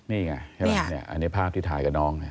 นี่ไงอันนี้ภาพที่ถ่ายกับน้อง